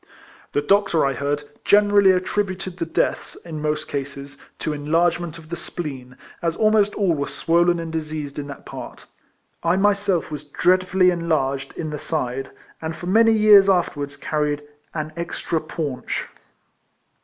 The doctor, I heard, generally attributed the deaths, in most cases, to enlargement of the spleen, as almost all were swollen and diseased in that part. I myself was dreadfully enlarged in the side, and for many years afterwards carried " an extra paunch."